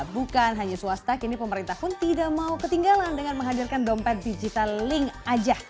bukan hanya swasta kini pemerintah pun tidak mau ketinggalan dengan menghadirkan dompet digital link aja